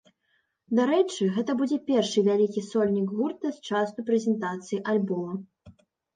Дарэчы, гэта будзе першы вялікі сольнік гурта з часу прэзентацыі альбома.